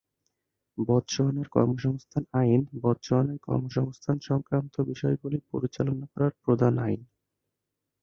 বতসোয়ানার কর্মসংস্থান আইন বতসোয়ানায় কর্মসংস্থান-সংক্রান্ত বিষয়গুলি পরিচালনা করার প্রধান আইন।